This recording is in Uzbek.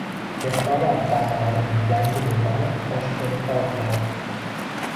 Texnomart tarmog'ining yangi do'koni Toshkentda ochiladi